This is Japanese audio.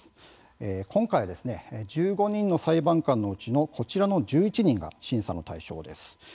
今回は１５人の裁判官のうちのこちらの１１人が審査の対象です。